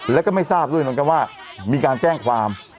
แล้วก็ไม่ทราบด้วยเหมือนกันว่ามีการแจ้งความ